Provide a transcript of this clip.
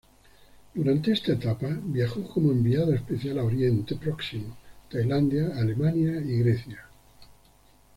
Durante esta etapa viajó como enviado especial a Oriente Próximo, Tailandia, Alemania y Grecia.